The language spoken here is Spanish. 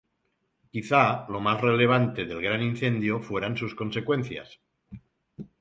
Quizá lo más relevante del gran incendio fueran sus consecuencias.